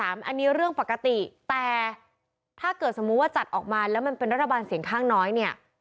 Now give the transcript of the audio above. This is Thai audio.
อันนี้เรื่องปกติแต่ถ้าเกิดสมมุติว่าจัดออกมาแล้วมันเป็นรัฐบาลเสียงข้างน้อยเนี่ย